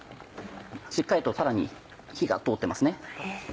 しっかりとたらに火が通ってますね。